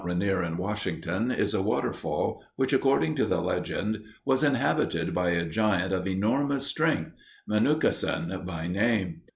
Rainier, in Washington, is a waterfall which, according to the legend, was inhabited by a giant of enormous strength Menuhkesen by name.